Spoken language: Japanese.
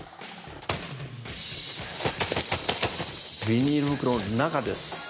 ビニール袋の中です！